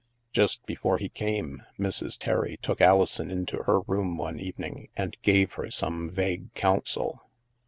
Just before he came, Mrs. Terry took Alison into her room one evening, and gave her some vague counsel.